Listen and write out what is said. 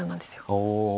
おお。